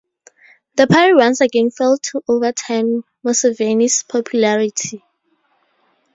The party once again failed to overturn Museveni's popularity.